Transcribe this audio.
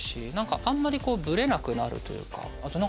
あんまりぶれなくなるというか。